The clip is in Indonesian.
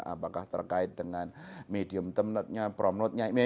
apakah terkait dengan medium term note nya prom note nya